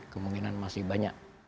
kemungkinan masih banyak